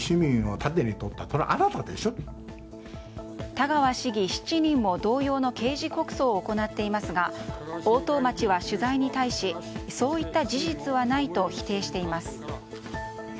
田川市議７人も同様の刑事告訴を行っていますが大任町は取材に対しそういった事実はないと否定しています。